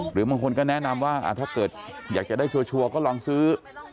หรือบางคนก็แนะนำว่าถ้าเกิดอยากจะได้ชัวร์ก็ลองซื้อ